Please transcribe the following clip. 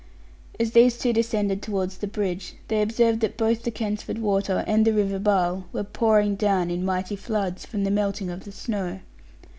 As these two descended towards the bridge they observed that both the Kensford water and the River Barle were pouring down in mighty floods from the melting of the snow.